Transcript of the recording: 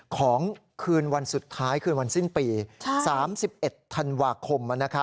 ของคืนวันสุดท้ายคืนวันสิ้นปี๓๑ธันวาคม